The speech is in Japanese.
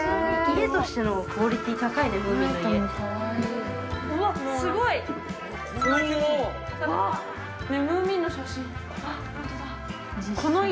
◆家としてのクオリティーが高いね、ムーミンの家。